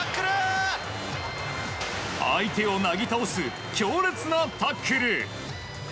相手をなぎ倒す強烈なタックル！